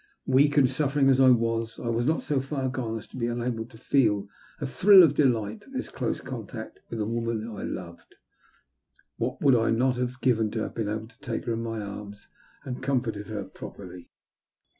Weak and suffering as I was, I was not so far gone as to be unable to feel a thrill of delight at this close contact with the woman I loved. What would I not have given to have been able to take her in my arms and have comforted her properly